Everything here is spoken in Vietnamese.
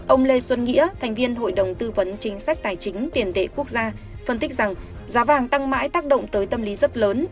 ông lê xuân nghĩa thành viên hội đồng tư vấn chính sách tài chính tiền tệ quốc gia phân tích rằng giá vàng tăng mãi tác động tới tâm lý rất lớn